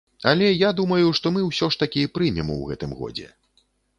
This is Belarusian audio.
Але я думаю, што мы ўсё ж такі прымем у гэтым годзе.